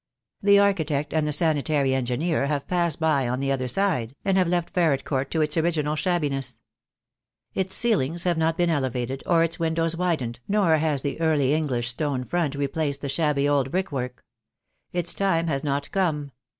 The architect and the sanitary engineer have passed by on the other side, and have left Ferret Court to its original shabbiness. Its ceilings have not been elevated, or its windows widened, nor has the Early English stone front replaced the shabby old brick work. Its time has not come.